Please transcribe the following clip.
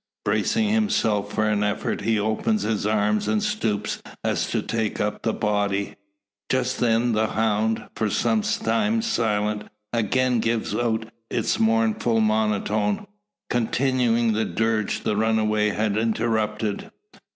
Bracing himself for an effort, he opens his arms, and stoops as to take up the body. Just then the hound, for some time silent, again gives out its mournful monotone continuing the dirge the runaway had interrupted.